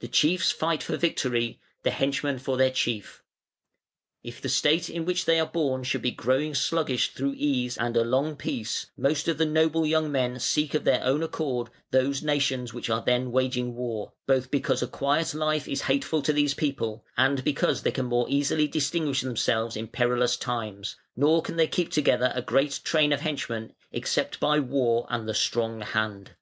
The chiefs fight for victory, the henchmen for their chief. If the state in which they are born should be growing sluggish through ease and a long peace, most of the noble young men seek of their own accord those nations which are then waging war, both because a quiet life is hateful to this people, and because they can more easily distinguish themselves in perilous times, nor can they keep together a great train of henchmen, except by war and the strong hand.